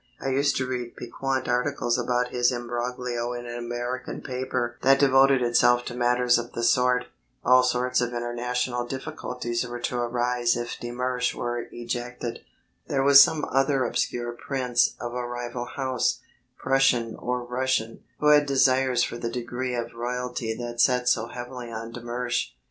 I used to read piquant articles about his embroglio in an American paper that devoted itself to matters of the sort. All sorts of international difficulties were to arise if de Mersch were ejected. There was some other obscure prince of a rival house, Prussian or Russian, who had desires for the degree of royalty that sat so heavily on de Mersch.